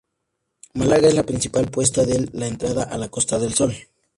Málaga es la principal puerta de entrada a la Costa del Sol.